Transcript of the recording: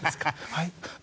はい？